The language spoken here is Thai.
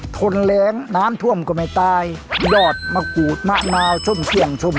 ทนแรงน้ำท่วมก็ไม่ตายยอดมะกรูดมะนาวส้มเสี่ยงส้ม